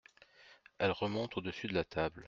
Elle remonte au-dessus de la table.